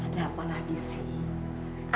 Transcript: ada apa lagi sih